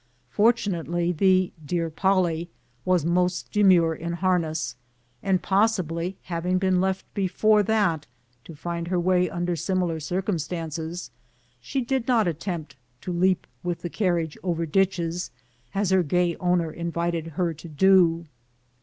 Fortunately the " dear Polly " was most demure in harness, and possibly having been left before that to find her own way under similar circumstances, she did not attempt to leap with the carriage over ditches, as WESTERN HOSPITALITY. 85 her gay owner invited her to do.